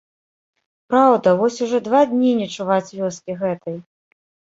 Праўда, вось ужо два дні не чуваць вёскі гэтай.